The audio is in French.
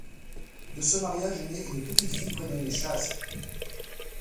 De ce mariage est née une petite fille prénommée Chase.